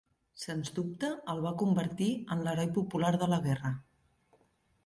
Sens dubte el va convertir en l'heroi popular de la guerra.